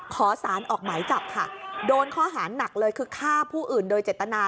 ขอสารออกหมายจับค่ะโดนข้อหาหนักเลยคือฆ่าผู้อื่นโดยเจตนา